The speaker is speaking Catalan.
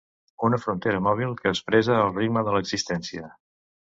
Una frontera mòbil que expressa el ritme de l'existència.